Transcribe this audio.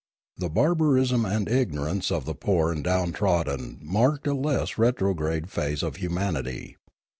The barbarism and ignorance of the poor and downtrodden marked a less retrograde phase of humanity.